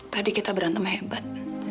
tadi kita berantem hebat